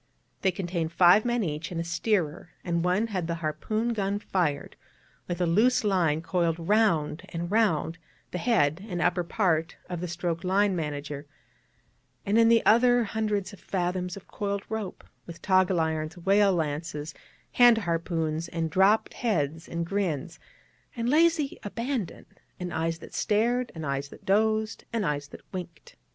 They contained five men each and a steerer, and one had the harpoon gun fired, with the loose line coiled round and round the head and upper part of the stroke line manager; and in the others hundreds of fathoms of coiled rope, with toggle irons, whale lances, hand harpoons, and dropped heads, and grins, and lazy abandon, and eyes that stared, and eyes that dozed, and eyes that winked.